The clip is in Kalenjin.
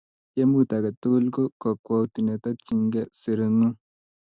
Tiemut age tugul ko kakwout ne takchinikei serengung